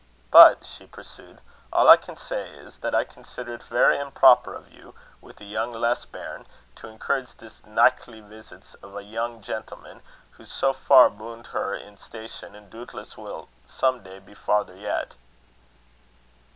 "But," she pursued, "all I can say is, that I consider it verra improper o' you, wi' a young lass bairn, to encourage the nichtly veesits o' a young gentleman, wha's sae far aboon her in station, an' dootless will some day be farther yet."